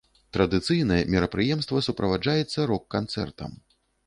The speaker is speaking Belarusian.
Традыцыйна мерапрыемства суправаджаецца рок-канцэртам.